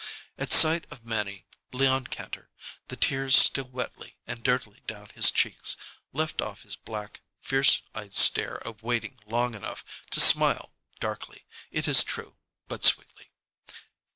At sight of Mannie, Leon Kantor, the tears still wetly and dirtily down his cheeks, left off his black, fierce eyed stare of waiting long enough to smile, darkly, it is true, but sweetly.